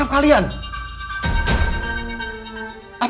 aku mau ke pihak kstop